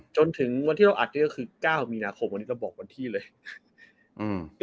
จนถึงวันที่เราอัดก็คือ๙มีนาคมวันนี้ต้องบอกวันที่เลย